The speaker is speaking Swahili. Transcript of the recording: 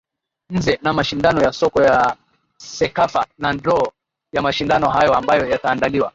nze na mashindano ya soka ya cekafa na draw ya mashindano hayo ambayo yataandaliwa